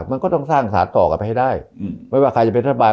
มันก็ต้องสร้างสารต่อกลับไปให้ได้ไม่ว่าใครจะเป็นรัฐบาล